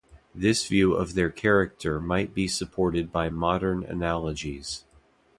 This view of their character might be supported by modern analogies.